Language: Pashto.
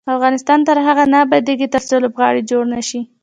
افغانستان تر هغو نه ابادیږي، ترڅو لوبغالي جوړ نشي.